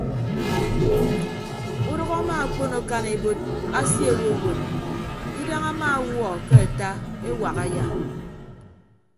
Udʌk ama akpon akan ebot asie owowot idañ ama ọwuọ ke ata ewak aya.